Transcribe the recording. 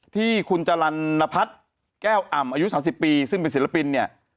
ที่คุณจรรย์นพัฒน์แก้วอ่ำอายุ๓๐ปีซึ่งเป็นศิลปินเนี่ย